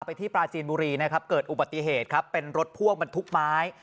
มาไปที่ปลาจีนบุรีเกิดอุบัติเหตุเป็นรถพ่วงบรรทุกไม้